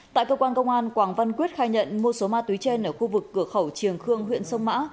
tại cơ quan công an quảng văn quyết khai nhận mua số ma túy trên ở khu vực cửa khẩu triềng khương huyện sông mã